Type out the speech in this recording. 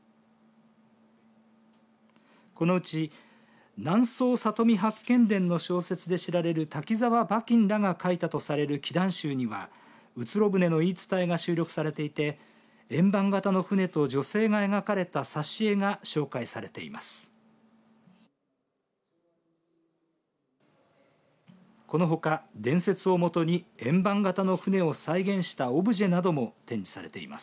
このうち南総里見八犬伝の小説で知られる滝沢馬琴らが書いたとされる奇談集にはうつろ舟の言い伝えが収録されていて円盤形の船と女性が描かれた挿絵が紹介されています。